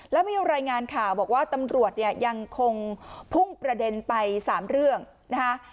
แล้วมีรายงานข่าวบอกว่าตำรวจเนี่ยยังคงพุ่งประเด็นไป๓เรื่องนะคะ